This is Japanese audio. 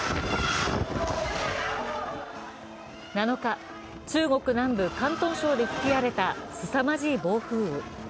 ７日、中国南部・広東省で吹き荒れたすさまじい暴風雨。